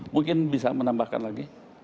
mungkin bisa menambahkan lagi